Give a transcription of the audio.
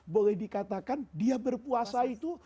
boleh dikatakan dia berpuasa itu